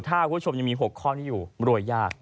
ถ้าคุณผู้ชมยังมี๖ข้อนี้อยู่รวยยาก